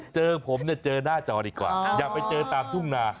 เจอผมเนี่ยเจอหน้าจอดีกว่าอย่าไปเจอตามทุ่งนา